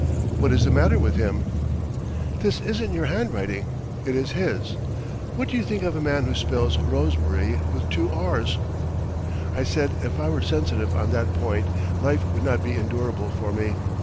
"What is the matter with him?" "This isn't your handwriting; it is his. What do you think of a man who spells Rosebery with two r's?" I said if I were sensitive on that point life would not be endurable for me.